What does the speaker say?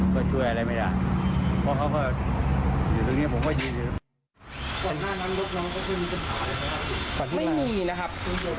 ไม่มีนะครับ